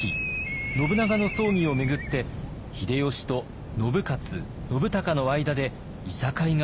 信長の葬儀を巡って秀吉と信雄信孝の間でいさかいが起こります。